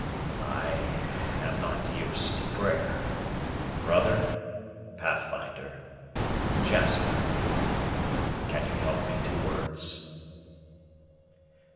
"I am not used to prayer. Brother, Pathfinder Jasper, can you help me to words?"